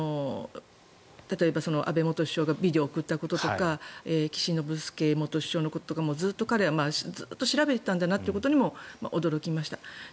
例えば、安倍元首相がビデオを送ったこととか岸信介元首相のこととかもずっと彼は調べていたんだなってことにも驚きました。